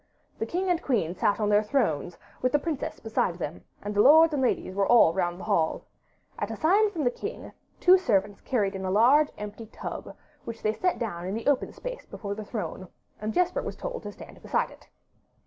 The king and queen sat on their thrones, with the princess beside them, and the lords and ladies were all round the hall. At a sign from the king, two servants carried in a large empty tub, which they set down in the open space before the throne, and Jesper was told to stand beside it.